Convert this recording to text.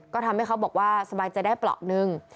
ก็ทำให้เขาบอกว่าสบายใจได้เปราะหนึ่ง